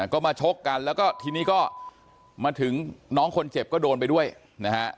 ก็มาชกกันแล้วก็ทีนี้ก็มาถึงน้องคนเจ็บก็โดนไปด้วยนะฮะ